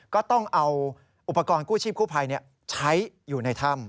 ก็ต้องเอาอุปกรณ์กู้ชีพกู้ภัยใช้อยู่ในถ้ำ